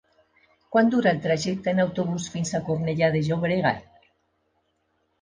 Quant dura el trajecte en autobús fins a Cornellà de Llobregat?